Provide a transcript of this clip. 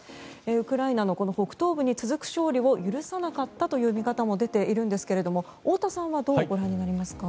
ウクライナの北東部に続く勝利を許さなかったという見方も出ているんですけれども太田さんはどうご覧になりますか？